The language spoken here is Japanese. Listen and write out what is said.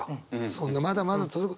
そんなまだまだ続く。